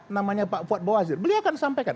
namanya pak fuad bawazir beliau akan sampaikan